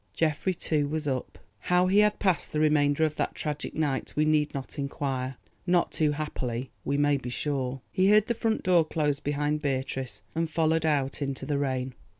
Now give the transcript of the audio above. Geoffrey, too, was up. How he had passed the remainder of that tragic night we need not inquire—not too happily we may be sure. He heard the front door close behind Beatrice, and followed out into the rain.